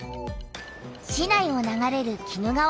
市内を流れる鬼怒川だよ。